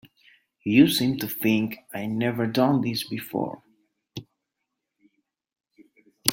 You seem to think I've never done this before.